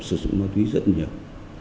sử dụng ma túy rất nhiều